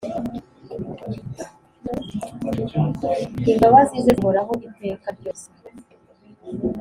imbabazi ze zihoraho iteka ryose.